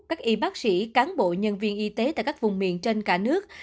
các y bác sĩ cán bộ nhân viên y tế tại các vùng miền trên cả nước